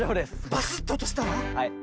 バスッておとしたわ。